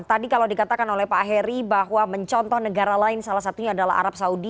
tadi kalau dikatakan oleh pak heri bahwa mencontoh negara lain salah satunya adalah arab saudi